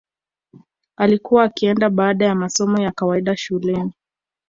Alikuwa akienda baada ya masomo ya kawaida shuleni